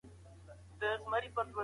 ادم ع ته ځانګړی علم ورکړل سوی و.